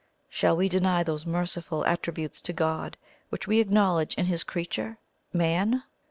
Shall we deny those merciful attributes to God which we acknowledge in His creature, Man?